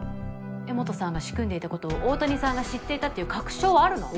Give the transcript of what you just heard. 江本さんが仕組んでいたことを大谷さんが知っていたっていう確証あるの？